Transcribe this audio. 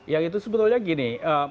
ya itu sebetulnya gini